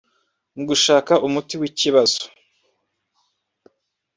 Mu gushaka umuti w’ikibazo